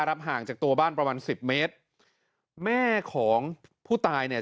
ห่างจากตัวบ้านประมาณสิบเมตรแม่ของผู้ตายเนี่ย